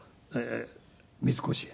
三越へ。